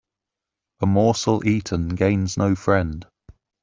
A morsel eaten gains no friend